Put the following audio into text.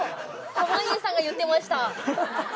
濱家さんが言ってました。